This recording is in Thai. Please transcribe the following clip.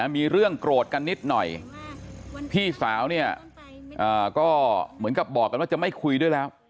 มีเรื่องโกรธกันนิดหน่อยพี่สาวเนี่ยก็เหมือนกับบอกกันว่าจะไม่คุยด้วยแล้ว